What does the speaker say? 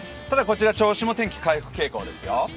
ただこちら、銚子も天気、回復傾向ですよ。